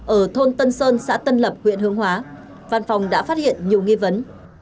ở thôn tân sơn xã tân lập huyện hương hóa văn phòng đã phát hiện nhiều nghi vấn